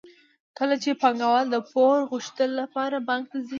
کله چې پانګوال د پور غوښتلو لپاره بانک ته ځي